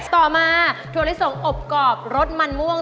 ต่อมาถั่วลิสงอบกรอบรสมันม่วง